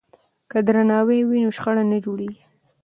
که درناوی وي نو شخړه نه جوړیږي.